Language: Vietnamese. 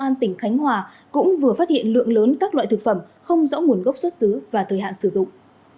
công an tỉnh khánh hòa cũng vừa phát hiện lượng lớn các loại thực phẩm không rõ nguồn gốc xuất xứ và thời hạn sử dụng